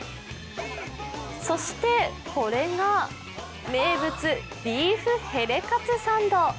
そしてこれが名物ビーフヘレカツサンド。